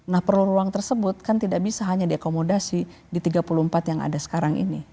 nah perlu ruang tersebut kan tidak bisa hanya diakomodasi di tiga puluh empat yang ada sekarang ini